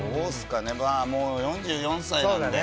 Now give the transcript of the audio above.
もう４４歳なので。